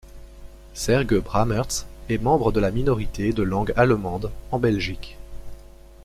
Serge Brammertz est membre de la minorité de langue allemande en Belgique.